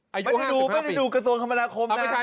ไม่ได้ดูกระทรวงคมมานาคมนะ